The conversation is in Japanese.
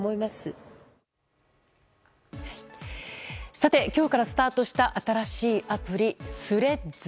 さて、今日からスタートした新しいアプリ、Ｔｈｒｅａｄｓ。